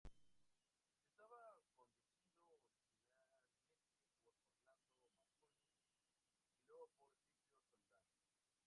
Estaba conducido originalmente por Orlando Marconi, y luego por Silvio Soldán.